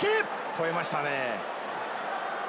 ほえましたね。